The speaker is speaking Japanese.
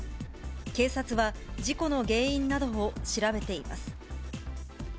警察は、事故の原因などを調べています。